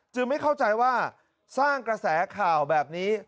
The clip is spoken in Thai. ไม่เข้าใจว่าสร้างกระแสข่าวแบบนี้